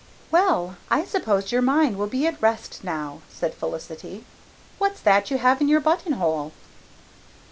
"Well, I suppose your mind will be at rest now," said Felicity. "What's that you have in your buttonhole?"